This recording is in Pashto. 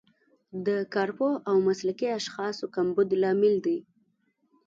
د کارپوه او مسلکي اشخاصو کمبود لامل دی.